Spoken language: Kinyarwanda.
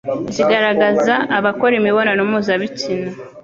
zigaragaza abakora imibonano mpuzabitsina,